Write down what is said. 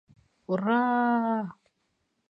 — Ур-ра-а-аа!!!